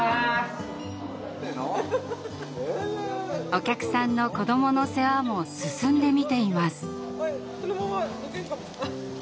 お客さんの子どもの世話も進んで見ています。